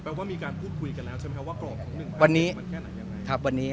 แปลว่ามีการพูดคุยกันแล้วใช่ไหมครับว่ากรอบของหนึ่งมันแค่ไหนยังไง